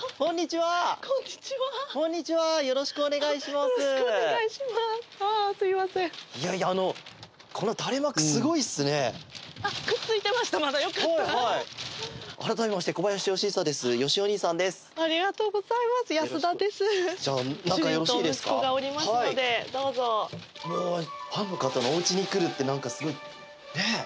はいどうぞファンの方のお家に来るって何かすごいねぇ？